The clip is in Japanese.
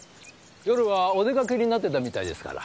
夜はお出かけになってたみたいですから。